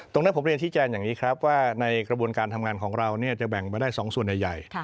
ตรงนี้ผมเรียนชี้แจงอย่างนี้ครับว่าในกระบวนการทำงานของเราจะแบ่งมาได้๒ส่วนใหญ่